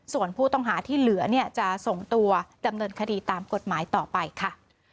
ส่วนผู้ต้องหาที่เหลือเนี่ยจะส่งตัวดำเนินคดีตามกฎหมายต่อไปค่ะ